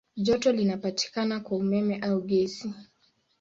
Joto linapatikana kwa umeme au gesi.